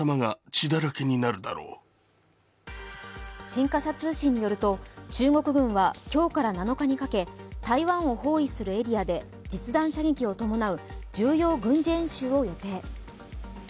新華社通信によると、中国軍は今日から７日にかけ台湾を包囲するエリアで実弾射撃を伴う重要軍事演習を予定。